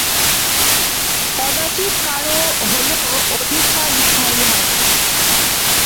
কদাচিৎ কারও হলেও অধিক কাল স্থায়ী হয় না।